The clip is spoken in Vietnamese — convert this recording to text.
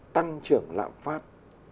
tăng trưởng lạm phát